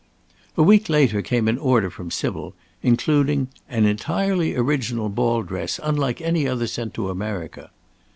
A week later came an order from Sybil, including "an entirely original ball dress, unlike any other sent to America."